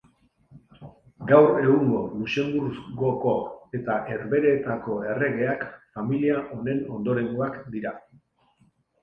Gaur egungo Luxenburgoko eta Herbehereetako erregeak familia honen ondorengoak dira.